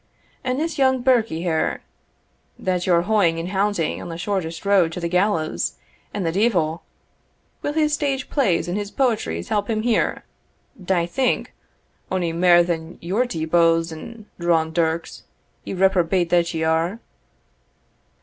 And this young birkie here, that ye're hoying and hounding on the shortest road to the gallows and the deevil, will his stage plays and his poetries help him here, dye think, ony mair than your deep oaths and drawn dirks, ye reprobate that ye are?